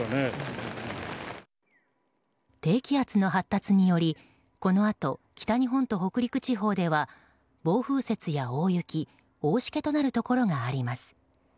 低気圧の発達によりこのあと、北日本と北陸地方では暴風雪や大雪大しけとなるところがあります。